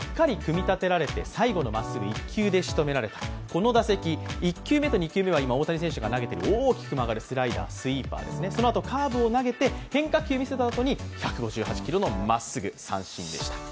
この打席、１球目、２球目は大谷選手が投げて大きく曲がるスライダー、スイーパーですね、そのあとカーブを投げて、変化球を見せたあとに１５８キロのストレート、まっすぐでした。